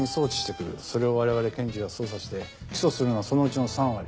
それを我々検事が捜査して起訴するのはそのうちの３割。